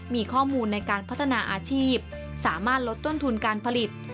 มีข้อมูลในการพัฒนาอาชีพสามารถลดต้นทุนการผลิต